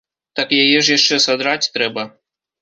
Так яе ж яшчэ садраць трэба.